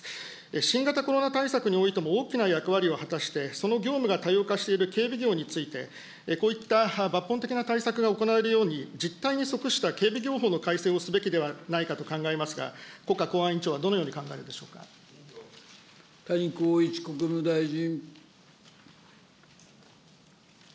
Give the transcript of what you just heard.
新型コロナ対策においても、大きな役割を果たして、その業務が多様化している警備業について、こういった抜本的な対策が行われるように、実態に即した警備業法の改正をすべきではないかと考えますが、国家公安委員長はどのよう谷公一国務大臣。